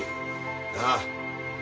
なあ。